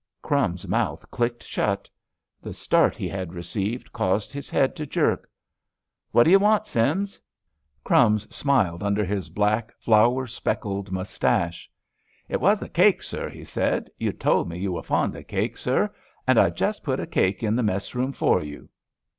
"Crumbs's" mouth clicked shut. The start he had received caused his head to jerk. "What do you want, Sims?" "Crumbs" smiled under his black, flour speckled moustache. "It was the cake, sir," he said. "You told me you were fond of cake, sir, and I just put a cake in the mess room for you."